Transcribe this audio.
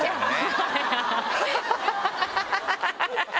ハハハハ！